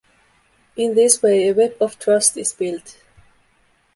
In this way, a web of trust is built.